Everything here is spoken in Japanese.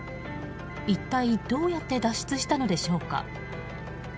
一体どうやって脱出したのでしょうか。